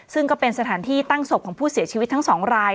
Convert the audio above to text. ซึ่งก็เป็นสถานที่ตั้งศพของผู้เสียชีวิตทั้ง๒ราย